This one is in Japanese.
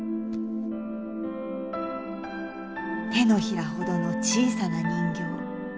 手のひらほどの小さな人形。